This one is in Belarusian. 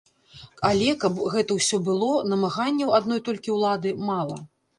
Але, каб гэта ўсё было, намаганняў адной толькі ўлады мала.